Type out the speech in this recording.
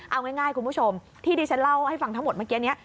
เอาง่ายคุณผู้ชมที่ดิฉันเล่าให้ฟังทั้งหมดเมื่อกี้นี้